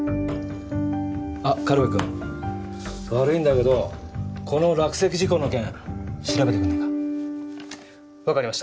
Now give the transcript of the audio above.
あっ軽部くん。悪いんだけどこの落石事故の件調べてくれないか？